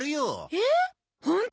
えっ！？ホント？